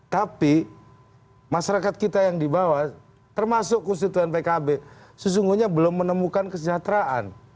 tapi masyarakat kita yang di bawah termasuk konstituen pkb sesungguhnya belum menemukan kesejahteraan